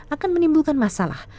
akan menimbulkan masalah